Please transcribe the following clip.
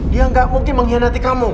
dia gak mungkin mengkhianati kamu